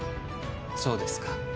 そうですか。